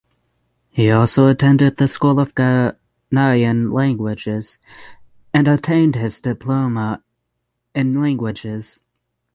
He also attended the School of Ghanaian Languages and obtained his Diploma in Languages.